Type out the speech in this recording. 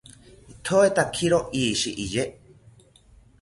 itoetakiro ishi iye